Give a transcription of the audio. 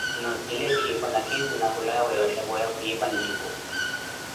Noosila etthipo nakhinzi, na hula yawe yooxhapeya, khwipa ncipu.